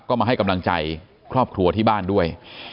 ก็มาให้กำลังใจครอบครัวที่บ้านด้วย